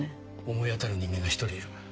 思い当たる人間が１人いる。